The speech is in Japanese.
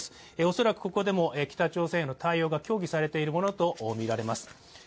恐らくここでも北朝鮮へのに対応が協議されているものとみられます。